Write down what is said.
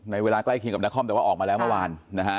เวลาใกล้เคียงกับนครแต่ว่าออกมาแล้วเมื่อวานนะฮะ